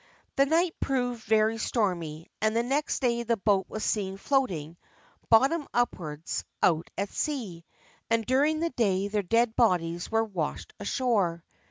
The night proved very stormy, and the next day the boat was seen floating, bottom upwards, out at sea, and during the day their dead bodies were washed ashore.